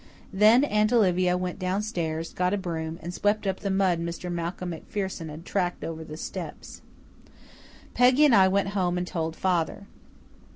Then Aunt Olivia went downstairs, got a broom, and swept up the mud Mr. Malcolm MacPherson had tracked over the steps. Peggy and I went home and told father.